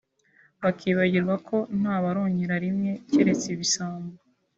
bakibagirwa ko nta baronkera rimwe keretse ibisambo